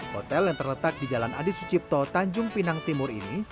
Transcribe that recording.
hotel yang terletak di jalan adi sucipto tanjung pinang timur ini